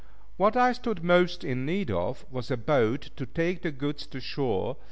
What I stood most in need of, was a boat to take the goods to shore.